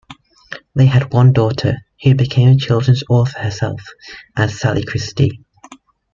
They had one daughter, who became a children's author herself, as Sally Christie.